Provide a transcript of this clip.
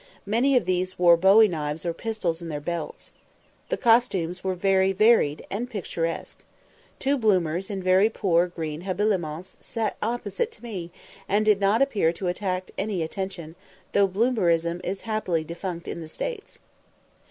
Many of these wore bowie knives or pistols in their belts. The costumes were very varied and picturesque. Two Bloomers in very poor green habiliments sat opposite to me, and did not appear to attract any attention, though Bloomerism is happily defunct in the States.